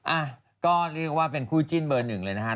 อ่ะก็เรียกว่าเป็นคู่จิ้นเบอร์หนึ่งเลยนะครับ